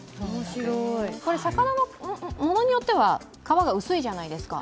魚のものによっては皮が薄いじゃないですか。